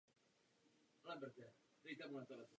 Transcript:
Politicky činným zůstal i v meziválečném období.